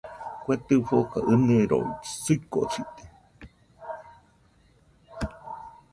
Kue tɨfoka ɨniroi suikosite